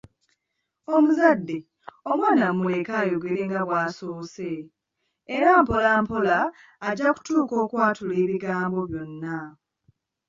Omuzadde omwana muleke ayogere nga bw’asoose, era mpola mpola ajja kutuuka okwatula ebigambo byonna.